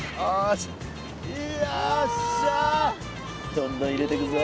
どんどん入れてくぞ。